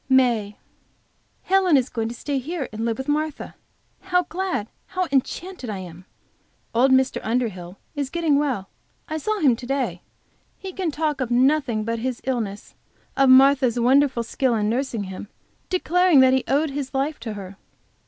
MAY. Helen is going to stay here and live with Martha. How glad how enchanted I am! Old Mr. Underhill is getting well; I saw him to day. He can talk of nothing but his illness, of Martha's wonderful skill in nursing him declaring that he owes his life to her.